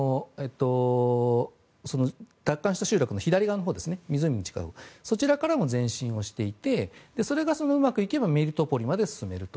奪還した集落の左側湖に近いほうそちらからも前進していてそれがうまくいけばメリトポリまで進めると。